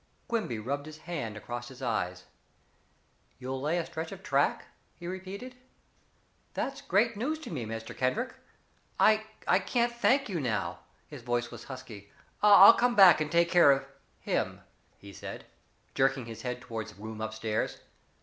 Quimby rubbed his hand across his eyes. "You'll lay a stretch of track " he repeated. "That's great news to me, Mr. Kendrick. I I can't thank you now." His voice was husky. "I'll come back and take care of him," he said, jerking his head toward the room up stairs.